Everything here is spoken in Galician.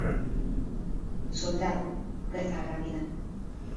"Soldado", reza a lápida.